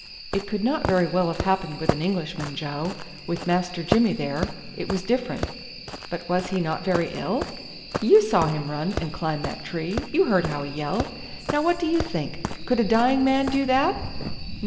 "It could not very well have happened with an Englishman, Joe. With Master Jimmy there, it was different." "But was he not very ill?" "You saw him run and climb that tree; you heard how he yelled. Now what do you think? Could a dying man do that?"